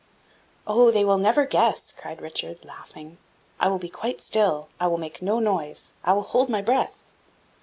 "Oh, they will never guess!" cried Richard, laughing. "I will be quite still I will make no noise I will hold my breath."